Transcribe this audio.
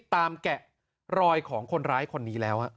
แกะรอยของคนร้ายคนนี้แล้ว